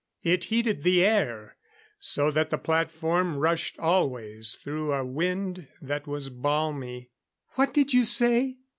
It heated the air, so that the platform rushed always through a wind that was balmy. "What did you say?"